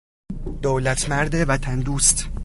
دولتمرد وطن دوست